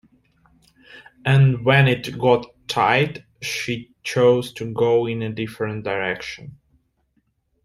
And when it got tight she chose to go in a different direction.